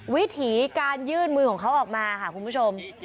วิถีการยื่นมือของเขาออกมาค่ะคุณผู้ชม